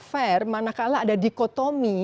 fair manakala ada dikotomi